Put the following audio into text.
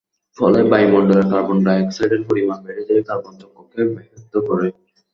ফলে বায়ুমণ্ডলে কার্বন ডাই-অক্সাইডের পরিমাণ বেড়ে যায় কার্বন চক্রকে ব্যাহত করে।